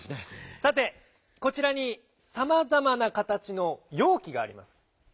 さてこちらにさまざまなかたちのようきがあります。